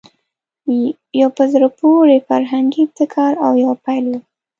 یو په زړه پورې فرهنګي ابتکار او پیل وو